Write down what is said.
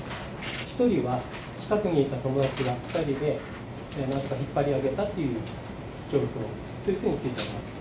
１人は近くにいた友達が２人でなんとか引っ張り上げたという状況というふうに聞いております。